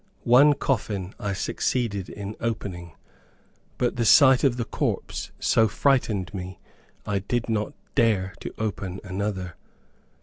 One coffin I succeeded in opening, but the sight of the corpse so frightened me, I did not dare to open another.